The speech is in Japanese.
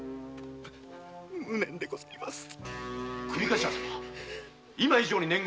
無念でございます。